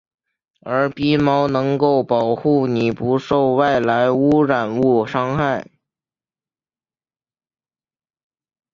而鼻毛能够保护你不受外来污染物伤害。